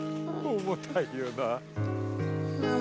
重たいよな。